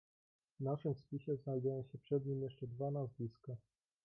"W naszym spisie znajdują się przed nim jeszcze dwa nazwiska."